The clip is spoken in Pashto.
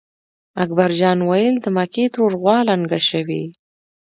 اکبر جان وېل: د مکۍ ترور غوا لنګه شوې.